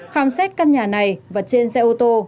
khám xét căn nhà này và trên xe ô tô